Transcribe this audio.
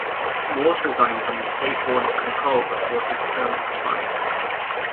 Morse resigned from the State Board of Control before his term expired.